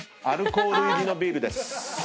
アルコール入りのビールです。